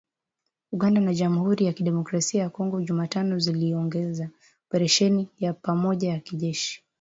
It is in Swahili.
Uganda na Jamhuri ya Kidemokrasia ya Kongo Jumatano ziliongeza operesheni ya pamoja ya kijeshi